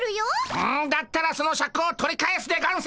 うんだったらそのシャクを取り返すでゴンス！